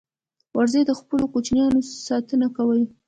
وزې د خپلو کوچنیانو ساتنه کوي